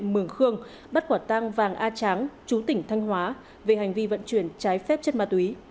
mường khương bắt quả tang vàng a tráng chú tỉnh thanh hóa về hành vi vận chuyển trái phép chất ma túy